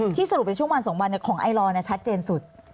สรุปในช่วงวัน๒วันของไอลอร์ชัดเจนสุด